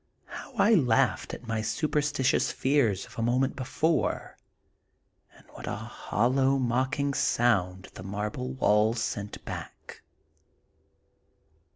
How I laughed at my superstitious fears of a moment before, and what a hollow, mocking sound the marble walls sent back.